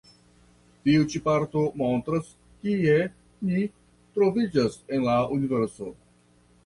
Tiu ĉi parto montras kie ni troviĝas en la Universo.